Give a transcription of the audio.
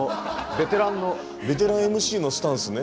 ベテランＭＣのスタンスね。